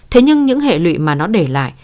thế nhưng những hệ lụy mà nó để lại